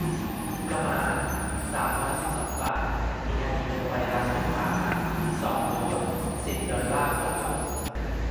ประมาณ สามร้อยสิบสอง บาท มีอะดรีโนไวรัสเป็นพาหะ สอง โดส สิบ ดอลลาร์ต่อโดส